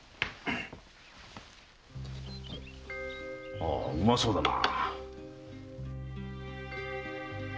ほううまそうだな。